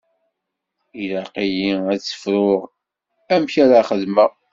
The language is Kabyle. Ilaq-iyi ad tt-fruɣ amek ara xedmeɣ.